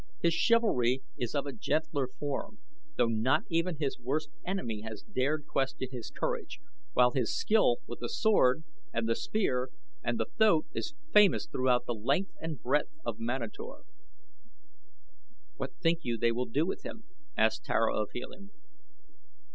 His chivalry is of a gentler form, though not even his worst enemy has dared question his courage, while his skill with the sword, and the spear, and the thoat is famous throughout the length and breadth of Manator." "What think you they will do with him?" asked Tara of Helium.